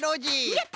やった！